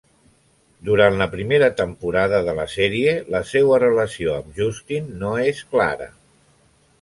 Durant la primera temporada de la sèrie, la seua relació amb Justin no és clara.